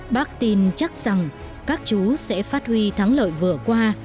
bác tin chắc rằng các chú sẽ phát huy thắng lợi vừa qua